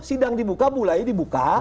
sidang dibuka bule dibuka